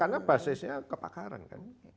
karena basisnya kepakaran kan